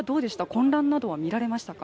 混乱などはみられました？